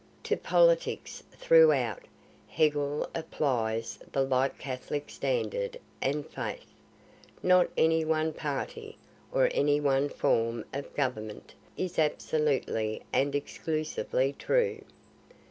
To politics throughout, Hegel applies the like catholic standard and faith. Not any one party, or any one form of government, is absolutely and exclusively true.